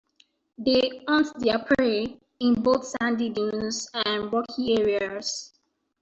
They hunt their prey in both sandy dunes and rocky areas.